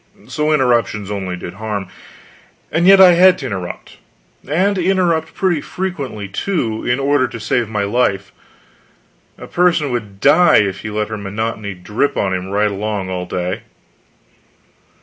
So, interruptions only did harm; and yet I had to interrupt, and interrupt pretty frequently, too, in order to save my life; a person would die if he let her monotony drip on him right along all day.